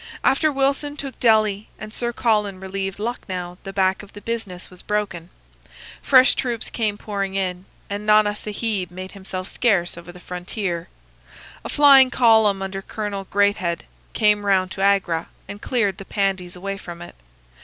After Wilson took Delhi and Sir Colin relieved Lucknow the back of the business was broken. Fresh troops came pouring in, and Nana Sahib made himself scarce over the frontier. A flying column under Colonel Greathed came round to Agra and cleared the Pandies away from it.